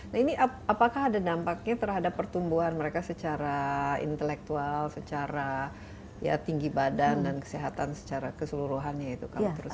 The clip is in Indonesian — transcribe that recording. nah ini apakah ada dampaknya terhadap pertumbuhan mereka secara intelektual secara tinggi badan dan kesehatan secara keseluruhannya itu kalau terus